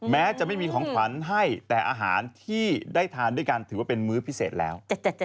แม้จะไม่มีของขวัญให้แต่อาหารที่ได้ทานด้วยกันถือว่าเป็นมื้อพิเศษแล้ว